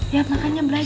ya makanya belajar